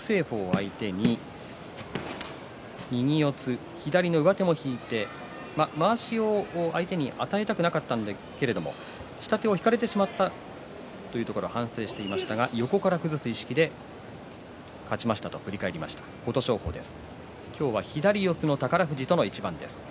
相手に右四つ、左の上手も引いてまわしを相手に与えたくなかったんだけれども下手を引かれてしまったということを反省していました横から崩すという意識で勝ちましたと振り返っていました琴勝峰です。